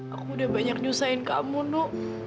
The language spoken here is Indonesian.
aku udah banyak nyusahin kamu nuk